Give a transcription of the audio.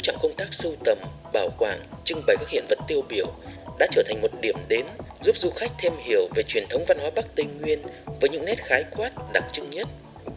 các dân tộc bắc tây nguyên đã trở thành một điểm đến giúp du khách thêm hiểu về truyền thống văn hóa bắc tây nguyên với những nét khái quát đặc trưng nhất